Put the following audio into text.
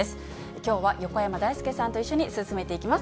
きょうは横山だいすけさんと一緒に進めていきます。